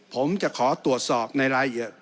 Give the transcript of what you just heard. ผมจะขอตรวจสอบในรายละเอียด